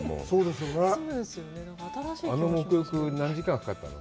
あの沐浴、何時間ぐらいかかったの？